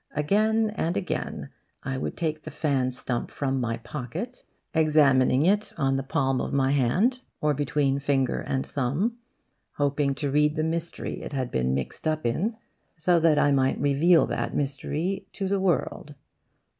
Again and again I would take the fan stump from my pocket, examining it on the palm of my hand, or between finger and thumb, hoping to read the mystery it had been mixed up in, so that I might reveal that mystery to the world.